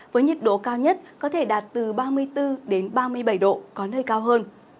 với nhiệt độ cao nhất có thể đạt từ ba mươi bốn ba mươi bảy độ có nơi cao hơn